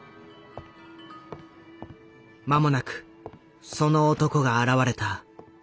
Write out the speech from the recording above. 間もなくその男が現れた。